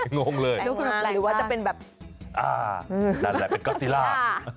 หรือว่าจะเป็นแบบอ่านั่นแหละเป็นก็สิล่า